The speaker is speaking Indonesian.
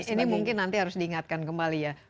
ini mungkin nanti harus diingatkan kembali ya